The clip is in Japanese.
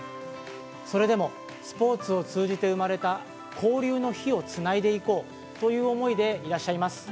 それでもスポーツを通じて生まれた交流の火をつないでいこうという思いでいらっしゃいます。